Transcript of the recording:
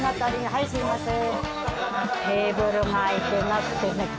はいすいません。